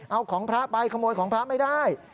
เอาของพระไปขโมยของพระไม่ได้